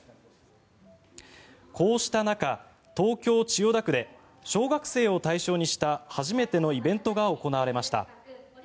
こうした中、東京・千代田区で小学生を対象にした初めてのイベントが行われました。